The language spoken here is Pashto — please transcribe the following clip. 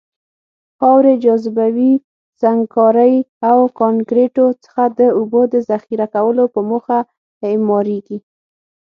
خاورې، جاذبوي سنګکارۍ او کانکریتو څخه د اوبو د ذخیره کولو په موخه اعماريږي.